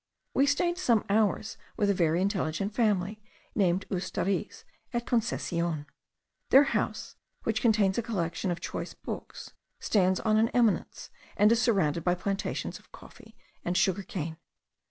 We stayed some hours with a very intelligent family, named Ustariz, at Concesion. Their house, which contains a collection of choice books, stands on an eminence, and is surrounded by plantations of coffee and sugar cane.